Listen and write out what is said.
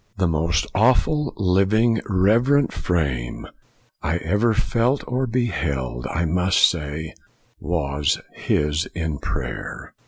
The most awful living, reverent frame I ever felt or beheld, I must say, was his in prayer.